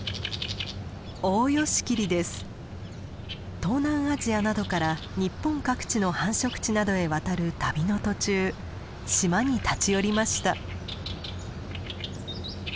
東南アジアなどから日本各地の繁殖地などへ渡る旅の途中島に立ち寄りました。